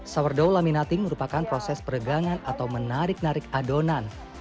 sourdaw laminating merupakan proses peregangan atau menarik narik adonan